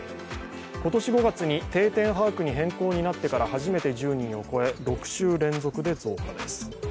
今年５月に定点把握に変更になってから初めて１０人を超え、６週連続で増加です。